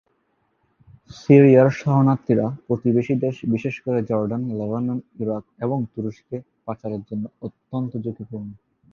সিরিয়ার শরণার্থীরা প্রতিবেশী দেশ বিশেষ করে জর্ডান, লেবানন, ইরাক এবং তুরস্কে পাচারের জন্য অত্যন্ত ঝুঁকিপূর্ণ।